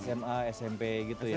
sma smp gitu ya